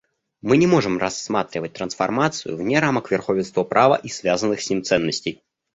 Мы не можем рассматривать трансформацию вне рамок верховенства права и связанных с ним ценностей.